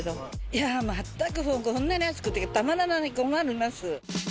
いやー、全く、こんなに暑くてたまらない、困ります。